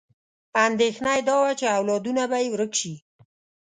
اندېښنه یې دا وه چې اولادونه به یې ورک شي.